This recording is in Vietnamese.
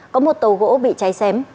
có một tàu gỗ bị cháy xém